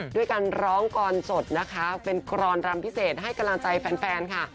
ด้วยการร้องกรอนสดนะคะเป็นกรอนรำพิเศษให้กำลังใจแฟนค่ะ